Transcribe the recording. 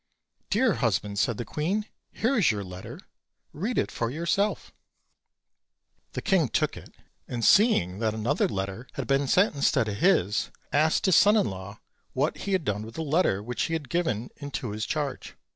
"Dear husband," said the queen, "here is your letter, read it for yourself." The king took it, and seeing that another letter had been sent instead of his, asked his son in law what he had done with the letter which he had given into his charge.